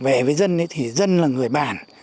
về với dân thì dân là người bản